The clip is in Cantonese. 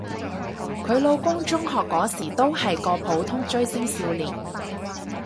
佢老公中學嗰時都係個普通追星少年